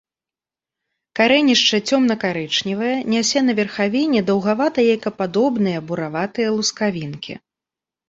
Карэнішча цёмна-карычневае, нясе на верхавіне даўгавата-яйкападобныя, бураватыя лускавінкі.